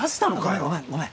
ごめんごめん